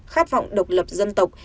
khát vọng độc lập dân tộc